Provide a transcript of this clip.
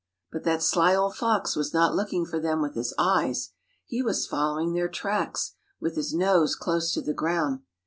But that sly old fox was not looking for them with his eyes; he was following their tracks, with his nose close to the ground.